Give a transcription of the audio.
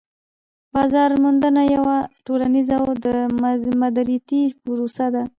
بازار موندنه یوه ټولنيزه او دمدریتی پروسه ده